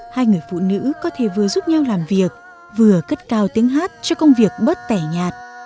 hai người phụ nữ có thể vừa giúp nhau làm việc vừa cất cao tiếng hát cho công việc bớt tẻ nhạt